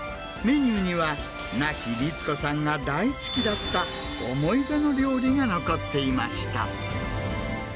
メニューには、亡き律子さんが大好きだった思い出の料理が残っていました。